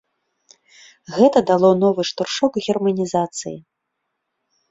Гэта дало новы штуршок германізацыі.